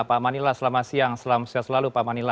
pak manila selamat siang selamat siang selalu pak manila